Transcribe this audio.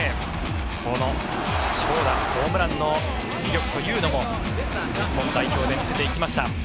この長打ホームランの威力というのも日本代表で見せていきました。